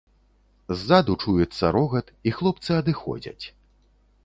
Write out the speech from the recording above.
Ззаду чуецца рогат, і хлопцы адыходзяць.